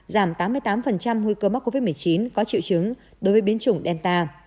giảm tám mươi tám nguy cơ mắc covid một mươi chín có triệu chứng đối với biến chủng delta